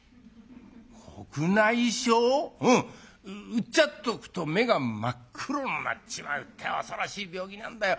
うっちゃっとくと目が真っ黒になっちまうってえ恐ろしい病気なんだよ。